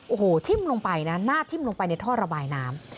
โอ้โหทิ้มลงไปนะหน้าทิ้มลงไปในท่อระบายน้ำ